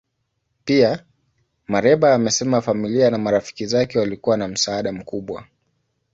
Pia, Mereba anasema familia na marafiki zake walikuwa na msaada mkubwa.